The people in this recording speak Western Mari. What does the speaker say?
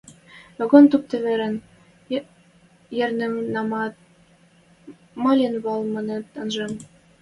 Вагон туп тервен йӓрненӓмӓт, ма лин вӓл манын анжем.